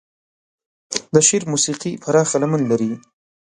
د شعر موسيقي پراخه لمن لري.